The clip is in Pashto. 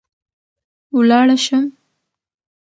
ولاړه شم